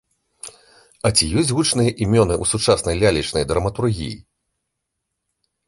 А ці ёсць гучныя імёны ў сучаснай лялечнай драматургіі?